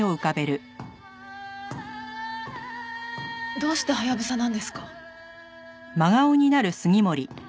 どうしてハヤブサなんですか？